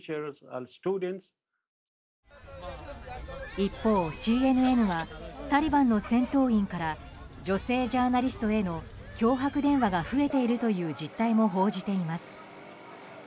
一方、ＣＮＮはタリバンの戦闘員から女性ジャーナリストへの脅迫電話が増えているという実態も報じています。